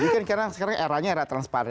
sekarang eranya era transparansi